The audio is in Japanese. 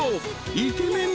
［イケメン